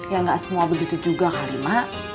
ya gak semua begitu juga kali mak